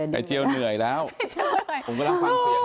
ไข่เจียวเหนื่อยร้อย